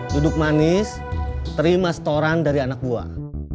duduk manis terima setoran dari anak buah